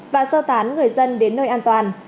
và do tán người dân đến nơi an toàn